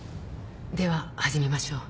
では始めましょう。